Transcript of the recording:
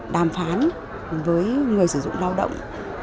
đàm phán với người sử dụng lao động